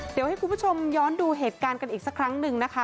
เดี๋ยวให้คุณผู้ชมย้อนดูเหตุการณ์กันอีกสักครั้งหนึ่งนะคะ